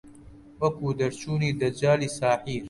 وەکوو دەرچوونی دەجاڵی ساحیر